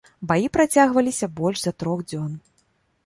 Баі працягваліся больш за трох дзён.